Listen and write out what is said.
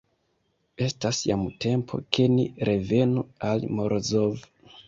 Estas jam tempo, ke ni revenu al Morozov.